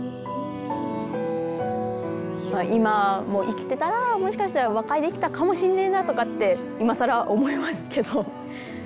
今も生きてたらもしかしたら和解できたかもしんねえなとかって今更思いますけど。